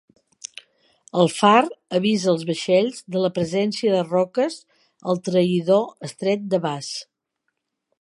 El far avisa els vaixells de la presència de roques al traïdor Estret de Bass.